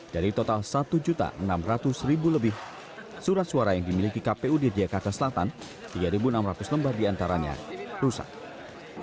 dari total satu enam ratus lebih surat suara yang dimiliki kpu di jakarta selatan tiga enam ratus lembar diantaranya rusak